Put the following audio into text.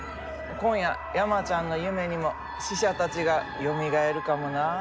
今夜山ちゃんの夢にも死者たちがよみがえるかもなあ。